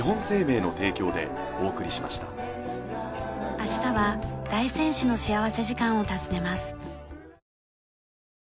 明日は大仙市の幸福時間を訪ねます。